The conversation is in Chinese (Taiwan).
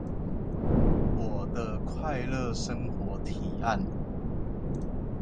我的快樂生活提案